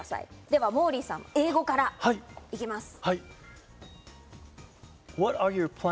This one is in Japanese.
では、モーリーさん、英語から行きます。